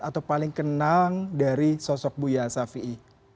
atau paling kenang dari sosok buya safi'i